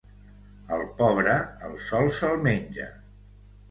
Al pobre el sol se'l menja.